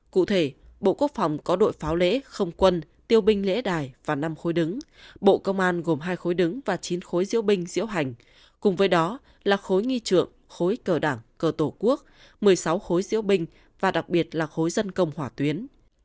cụ thể bộ quốc phòng có đội pháo lễ không quân tiêu binh lễ đài và năm khối đứng bộ công an gồm hai khối đứng và chín khối diễu binh diễu hành cùng với đó là khối nghi trượng khối cờ đảng cờ tổ quốc một mươi sáu khối diễu binh và đặc biệt là khối dân công hỏa tuyến